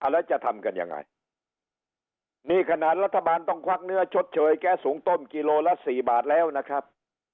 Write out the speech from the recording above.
แล้วจะทำกันยังไงนี่ขนาดรัฐบาลต้องควักเนื้อชดเชยแก๊สสูงต้มกิโลละสี่บาทแล้วนะครับ